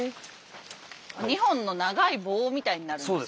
２本の長い棒みたいになるんですね。